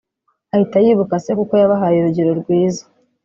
ahita yibuka se kuko yabahaye urugero rwiza